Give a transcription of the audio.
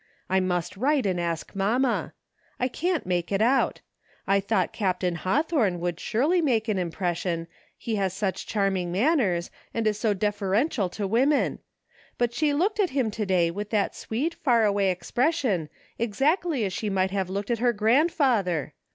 I must write and ask mamma. I can't make it out I thought Captain Hawthorne would surely make an impression, he has such charming manners, and is so deferential to women ; but she looked at him to day with that sweet far away expression, exactly as she might have looked at her grandfather.